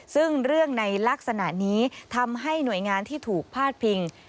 ซึ่งเรื่องในลักษณะนี้ทำให้หน่วยงานที่ถูกพาดพิง